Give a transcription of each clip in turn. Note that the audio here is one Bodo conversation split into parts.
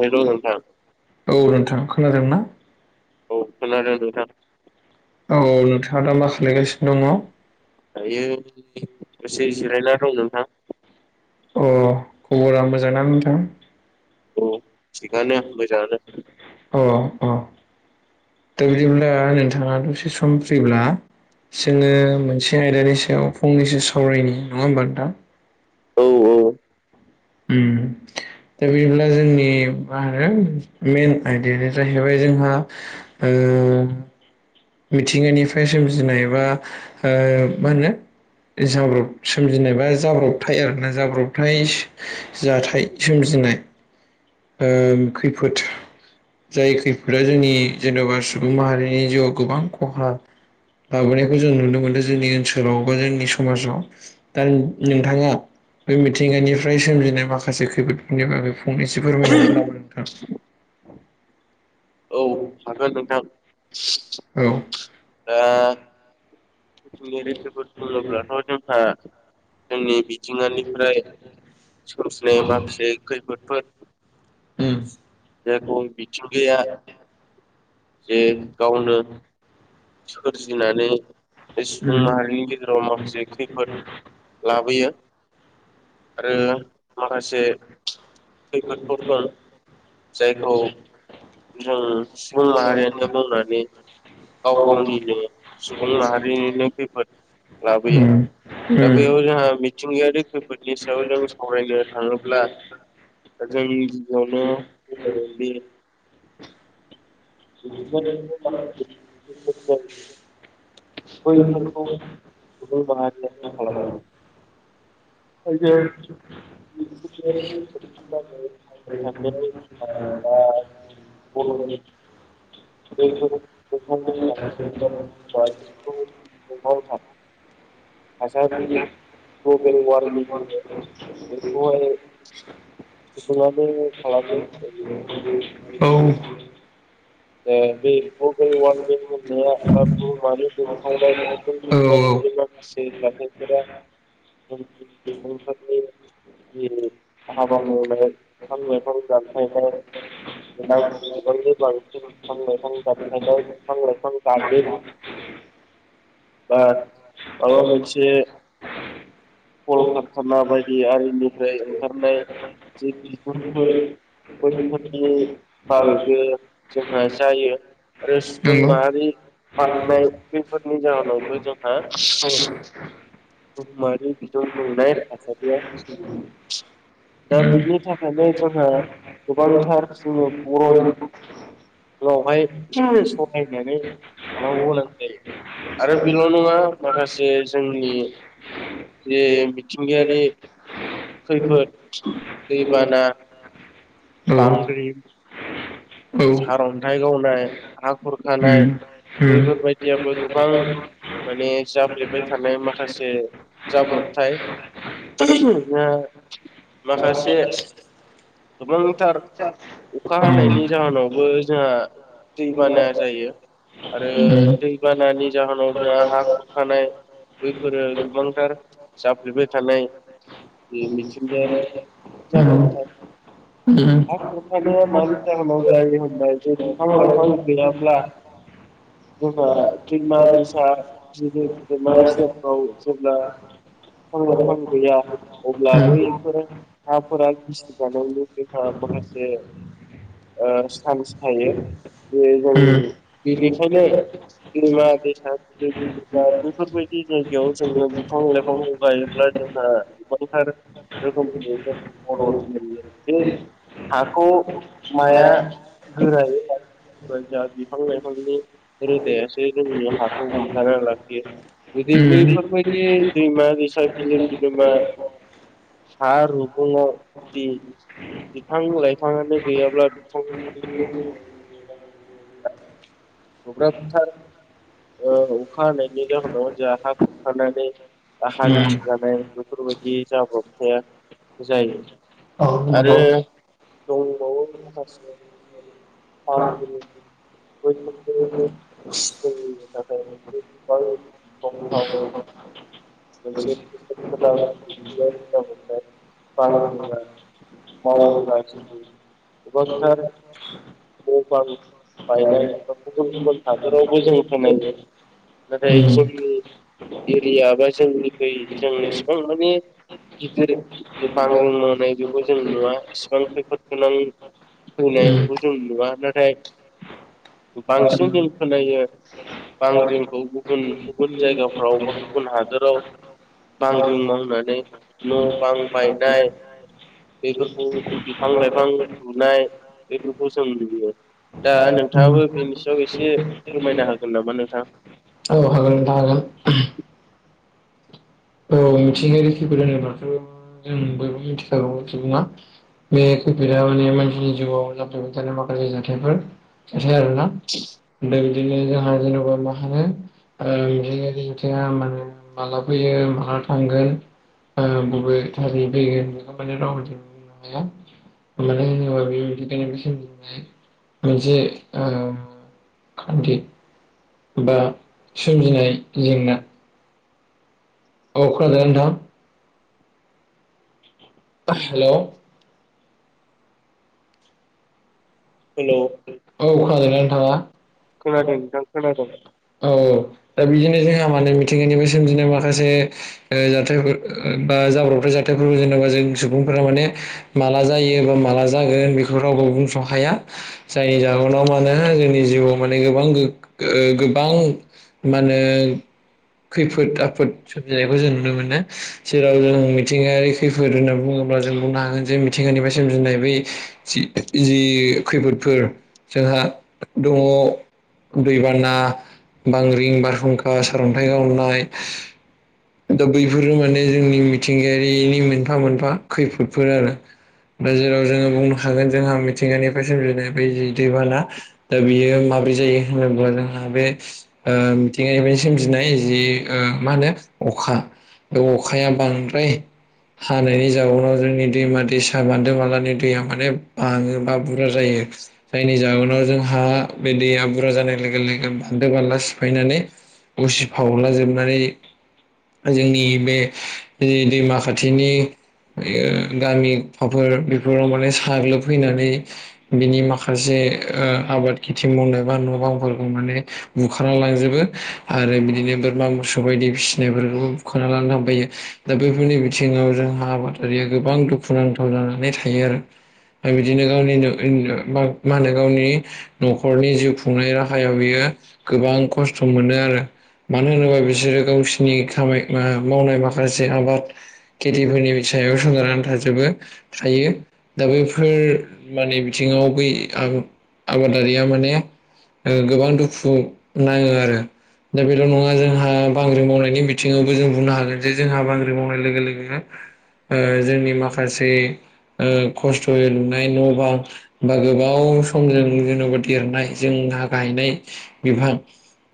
हेल' नोंथां औ नोंथां खोनादों ना? औ खोनादों नोंथां। औ [unintelligible] दङ दायो एसे जिरायनानै दं नोंथां। अ, खबरा मोजां ना नोंथां? औ थिगानो मोजाङानो। अ अ दा बिदिब्ला नोंथाङा दसे सम फ्रिब्ला जोङो मोनसे आयदानि सायाव फंनैसो सावरायनि, नङा होमबा नोंथां? औ औ। उम दा बिदिब्ला जोंनि मा होनो मेन आयदायानो जाहैबाय जोंहा ओ ओ मिथिंगानिफ्राय सोमजिनाय बा ओ मा होनो जाब्रब सोमजिनायबा जाब्रबथाय आरोना जाब्रबथाय जाथाय सोमजि जि नाय ओ खैफोद जाय खैफोदा जोंनि जेन'बा सुबुं माहारिनि जिउआव गोबां खहा लाबोनायखौ जों नुनो मोनदों जोंनि ओनसोलाव बा जोंनि समाजाव। दा नोंथाङा बे मिथिंगानिफ्राय सोमजिनाय माखासे खैफोद बेनि बागै फंनैसो फोरमायनो [unintelligible] नोंथां। औ हागोन नोंथां। औ। दा थिनि [unintelligible] बुङोब्लाथ' जोंहा जोंनि मिथिंगानिफ्राय सोमजिनाय माखासे खैफोदफोर उम जेखौ मिथिंगाया जे गावनो सोरजिनानै सुफुंनो हानायनि गेजेराव माखासे खैफोद लाबोयो। आरो माखासे खैफोदफोर दं, जायखौ जों सुबुं माहारियानो मावनानै गाव गावनिनो सुबुं माहा [unintelligible] खैफोद उम लाबोयो उम दा बेयाव जोंहा मिथिंगायारि खै फोदनि सायाव जों सावरायनो थाङोब्ला, जों गिबियावनो बे [unintelligible] बैफोरखौ सुबुं माहारियानो खालामो। जों मिथिंगायारि खैफोदनि बागै [unintelligible] सावरायनो थांनायाव जोंहा दा बर'नि [unintelligible] बैफोर दुंहावनाय थासारि ग्लबेल वार्मिं होनो बेखौहाय सुबुङानो खालामो बेखौ [unintelligible] [unintelligible] [unintelligible] औ ओ [unintelligible] बे औ माखासे जाथायफोरा [unintelligible] जेरै हाबा मावनाय औ बिफां लाइफां दान फायनाय नांगौसिबांनि बां सिन बिफां लाइफां दानफायनाय [unintelligible] बा माबा मोनसे कल खारखाना बायदि आरिनिफ्राय ओंखारनाय जे [unintelligible] बैफोरनि बागैबो जोंहा जायो आरो सुबुं माहारि बांनाय बेफोरनि जाहोनावबो जोंहा बुहुमारि बिदुं दुंनाय थासारिया सोलियो । दा बिनि थाखायनो जोंहा गोबांथार जोङो [unintelligible] लावहाय सहायनानै थानांगौ गोनां जायो । आरो बेल' नङा माखासे जोंनि जे मिथिंगायारि खैफोद दैबाना उम बांग्रिं उम सारन्थाइ गावनाय हा खुरखानाय बैफोरबायदियाबो गोबां माने जाफ्लेबबाय थानाय माखासे जाब्रबथाय [unintelligible] माखासे गोबांथार अखा हानायनि जाहोनावबो जोंहा दै बाना जायो आरो दैबानानि जाहोनाव जोंहा हा खुरखानाय बैफोरो गोबांथार जाफ्लेबाय थानाय बे मिथिंगायारि जाब्रबथाय हा खुरखानाया‌ मानि जाहोनाव जायो होनबाय जों बिफां लाायफां गैयाब्ला [inaudible] जोंहा दैमा दैसा बिलो बिलोमा‌ सेरफ्राव जेब्ला बिफां लायफां गैया अब्ला बैफोरो हाफोरा गिसि जानाय लोगो जोंहा माखासे ओ सान्स थायो बे जों बेनिफ्रायनो दैमा दैसा बिलो बिलोमा बेफोरबायदि जायगायाव जोङो बिफां लाइफांखौ गायोब्ला जों गोबांथार रोखोमनि जोंनि [unintelligible] हाखौ माया गोरायो लाखि जा बिफां लाइफांनि रोदायासो जोंनि हाखौ हमथा लाखियो गोदै बैफोरबायदि दैमा दैसा बिलो बिलोमा सा रुगुङआव बिदि बिफां लाइफाङानो गैयाब्ला [unintelligible] गोब्राबथार [inaudible] अखा हानायनि जाहोनाव जों हा खुरखानानै हा गिसि जानाय बेफोरबायदि जाब्रबथाया जायो आरो दङबावो माखासे [unintelligible] [unintelligible] मोनसे [unintelligible] माव ब्लासो जोङो गोबांथार [unintelligible] नाथाय जोंनि, गिदिर [unintelligible] बांग्रों मावनाय बेखौ जों नुवा, इसिबां खैफोद गोनां, [unintelligible] बा- [unintelligible] बांग्रिं मावनानै न' बां बायनाय, बेफोरखौ बिफां-लाइफां लुनाय, बेफोरखौ जों नुयो। दा नोंथाङाबो, बेनि सायाव एसे फोरमायनो हागोन नामा नोंथां? [unintelligible] औ मिथिंैरोखिफोर होनोबाथ' जों बयबो मिथिखागौ सुबुङा बे खैफोदा माने मानसिनि जिउआव जाफ्लबाय थानाय माखासे जाथायफोर, [unintelligible] बिदिनो जोंहा जेनेबा मा होनो, ओ बिदिनो बिथिंया [unintelligible] थांगोन, ओ बबे थारै फैगोन, [unintelligible] मानो होनोबा बेखायनो सनाय मोनसे ओ खान्थि, बा सोमजिनाय जेंना, औ खोना दों दा नोंथां, हेल', हेलौ औ खोनादोंना थाङा? खोनादों नोंथां खोनादों। औ औ दा बिदिनो जोंहा मानो मिथिंगानिफ्राय सोमजिनाय माखासे, जाथायफोर ओ बा जाब्रबथाय जाथायफोरखौ जोङो, ओ जोंनि सुबुंफोरा माने माला जायो बा माला जागोन बेखौ रावबो बुंस' हाया। जायनि जाहोनाव मानो [unintelligible] जिउआव माने गो- गो- गोबां मा होनो खैफोद आफोद सोमजिनायखौ जों नुनो मोनो। जेराव जों मिथिंगायारि खैफोद होनना बुङो अब्ला जों बुंनो हागोन जे मिथिंगानिफ्राय सोमजिनाय बै जि-जि खैफोदफोर जोंहा दङ' दैबाना, बांग्रिं, बारहुंखा, सारन्थाइ गावनाय दा बैफोरो माने जोंनि मिथिंगायारिनि मोनफा मोनफा खैफोदफोर आरो । दा जेराव जोङो बुंनो हागोन जोंहा मिथिंगानिफ्राय सोमजिनाय बै जि दैबाना दा बियो माबा [unintelligible] होनोब्ला जोंहा बे ओ मिथिंगानिफ्राय सोमजिनाय जि ओ मा होनो अखा बे अखाया बांद्राय हानायनि जाउनाव जोंनि दैमा दैसा, बान्दो बानलानि दैया माने बाङो बा बुरजा जायो। जायनि जाहोनाव जोंहा बे दैया बुरजा जानाय लोगो लोगो बान्दो बानला सिफायनानै उसि फावला जोबनानै जोंनि बे जि दैमा खाथिनि [unintelligible] गामि [unintelligible] बेफोराव माने साग्लोबफैनानै बिनि माखासे ओ आबाद खिथि मावनो बा न'बांफोरखौ माने बुखारना लांजोबो आरो बिदिनो बोरमा, मोसौ बायदि फिसि बेफोरखौबो बुखारना लानो थांफायो दा बैफोरनि बिथिङाव जोंहा आबादारिया गोबां दुखुनांथाव नानै थायो आरो । दा बिदिनो गावनि [unintelligible] मा होनो गावनि न'खरनि जिउ खुंनाय राहायाव बियो गोबां खस्थ' मोनो आरो मानो होनोबा बिसोरो गावसोर नि खामनाय मा मावनाय माखासे आबाद खेथिफोरनि सायाव सोनारनानै थाजोबो। थायो दा बैफोर माने बिथिङाव बै आ आबादारिया माने ओ गोबां दुखु नाङो आरो दा बेल' नङा जोंहा बांग्रि मावनाय बे बिथिङावबो जों बुंनो हागोन जे जोंहा बाग्रिं मावनाय लोगो लोगोनो ओ जोंनि माखासे खस्थ'यै लुनाय न'बां बा गोबाव समजों जेन'बा देरनाय जों जोंहा गायनाय बिफां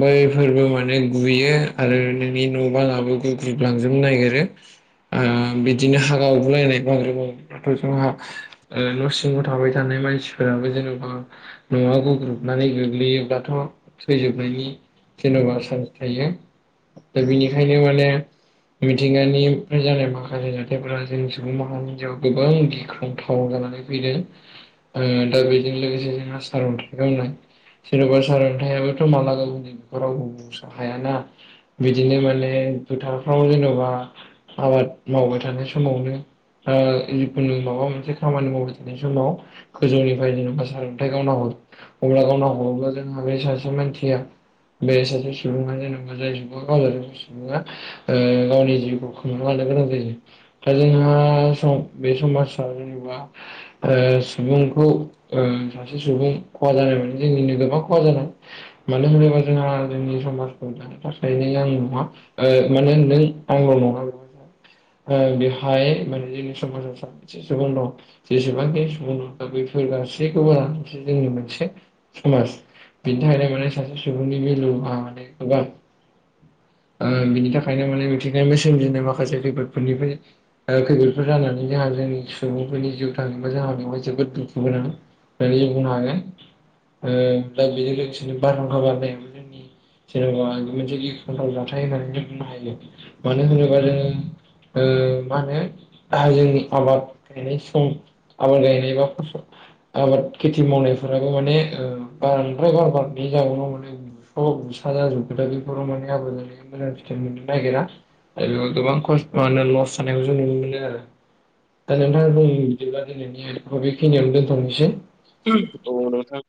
बैफोरबो माने गुयो आरो बे न' बांआबो गोग्रुबलांजोबनो नागिरो । आ बिदिनो हा गावगु लायनाय बांग्रिं मावोब्लाथ' जोंहा ओ न' सिंङाव थाबाय थानाय मानसिफोराबो जेन'बा न'आव गोग्रुबनानै गोग्लैयोब्लाथ' थैजोबनायनि जेन'बा चान्स थायो दा बेनिखायनो माने मिथिंगानिफ्राय जानाय माखासे जाथायफोरा जोंनि सुबुं माहारिनियाव गोबां गिख्रांथाव जानानै फैदों ओ दा बेजों लोगोसे जोंहा सारअन्थाइ गावनाय सोरबा सारनयाबोथ' माला गावगोन बेखौ रावबो बुंस' हायाना । बिदिनो माने फोथारफ्राव जेनेबा आबाद मावबाय थानाय समावनो ओ जिखुनु माबा मोनसे खामानि मावबाय थानाय समाव गोजौनिफ्राय जेनेबा सारन्थाइ गावना हर अब्ला गावना हरोब्ला जोंहा बे सासे मानसिया बे सासे सुबुंङा जेनेबा जाय दा गावजानाय सुबुङा ओ गावनि जिउखौ खोमाना लानो गोनां जायो दा जोंहा सम बे समाजा जेनेबा ओ सुबुंखौ ओ सासे सुबुं खहा जानाय माने जोंनिनो गोबां खहा जादों मानो होनोबा जोंहा जोंनि समाजखौ दानो थाखाय [unintelligible] आं नङा ओ माने नों आंल' नङा [unintelligible] ओ बेहाय माने जोंनि समाजाव साबोसे सुबुं दं' जेसेबांखि सुबुं दं दा बेफोर गासैखौ लानानै जोंनि मोनसे समाज । बिनि थाखायनो माने सासे सुबुंनि भेलु माने गोबां ओ बिनि थाखायनो माने मिथिंगानिफ्राय सोमजिनाय माखासे खैफोदफोरनिफ्राय ओ खैफोदफोर जानानै जोंहा जोंनि सुबुंफोरनि जिउ थांङोबा जोंहा बेवहाय जोबोद दुखु गोनां [unintelligible] बुंनो हागोन । हो जाय बेजों लोगोसेनो बारहुंखा बारनाय [unintelligible] मोनसे गिख्रंथाव जाथाय होननानै बुंनो हायो मानो होनोबा जोङो ओ मा होनो गाहायै आबाब गायनाय सम आबाद गायनाय बा फसल आबाद खेथि मावनायफोराबो माने बाद्राय बार बे जाउनाव माने बुस' बुसा जाजोबो बर' माने आब मोजां फिथाइ मोननो नागिरा आरो बेयाव गोबां खसत लस जानायखौ जों नु आरो दा नोंथाङा बुंनो बिदिबा दिनैनिखौ बेखिनियावनो दोनथ'नोसै उम औ नोंथां